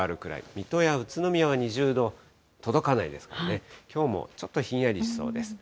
水戸や宇都宮は２０度届かないですからね、きょうもちょっとひんやりしそうです。